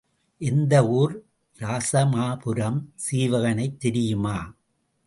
எந்த ஊர்? இராசமாபுரம் சீவகனைத் தெரியுமா?